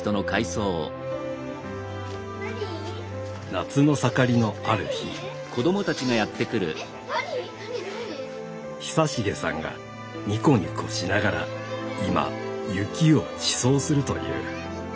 夏の盛りのある日久重さんがニコニコしながら今雪を馳走するという。